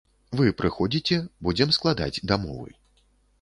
Вы прыходзіце, будзем складаць дамовы.